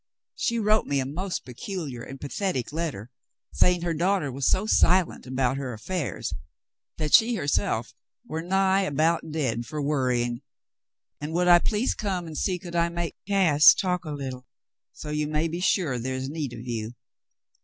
She wrote me a most peculiar and pathetic letter, saying her daughter was so silent about her affairs that she herself * war nigh about dead fer worryin', and would I please come and see could I make Cass talk a lee tie,' so you may be sure there is need of you.